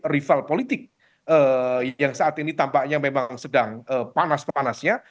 rival politik yang saat ini tampaknya memang sedang panas panasnya